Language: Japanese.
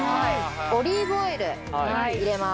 オリーブオイル入れます。